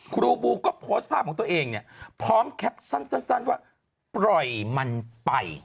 ครูบูก็โพสต์ภาพของตัวเองเนี่ยพร้อมแคปสั้นว่าปล่อยมันไป